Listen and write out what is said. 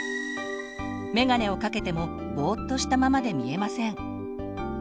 めがねをかけてもぼっとしたままで見えません。